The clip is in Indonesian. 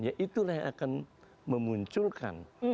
ya itulah yang akan memunculkan